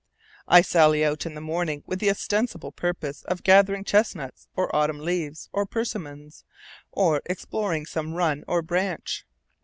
I sally out in the morning with the ostensible purpose of gathering chestnuts, or autumn leaves, or persimmons, or exploring some run or branch.